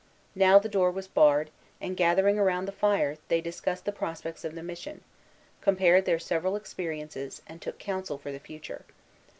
Now the door was barred, and, gathering around the fire, they discussed the prospects of the mission, compared their several experiences, and took counsel for the future.